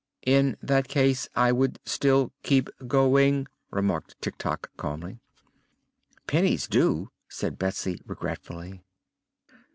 "In that case, I would still keep going," remarked Tik Tok, calmly. "Pennies do," said Betsy regretfully.